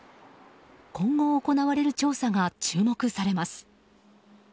今後行われる調査が注目されます。